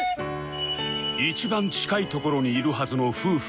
一番近い所にいるはずの夫婦